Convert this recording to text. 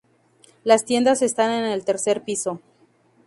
Las tiendas están en el tercer piso.